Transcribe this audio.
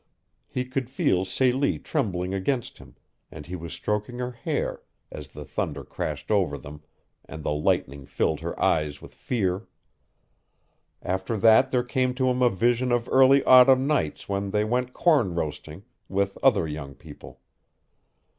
He could feel Celie trembling against him, and he was stroking her hair as the thunder crashed over them and the lightning filled her eyes with fear. After that there came to him a vision of early autumn nights when they went corn roasting, with other young people.